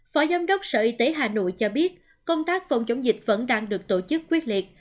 phó giám đốc sở y tế hà nội cho biết công tác phòng chống dịch vẫn đang được tổ chức quyết liệt